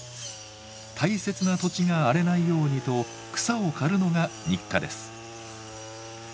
大切な土地が荒れないようにと草を刈るのが日課です。